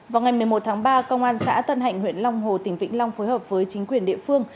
vào ngày một mươi một tháng ba công an xã tân hạnh huyện long hồ tỉnh vĩnh long phối hợp với chính quyền địa phương